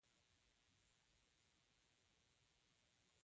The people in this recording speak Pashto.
منتخبي کمېټې نه غوښتل عسکر تر سراج پور تېر کړي.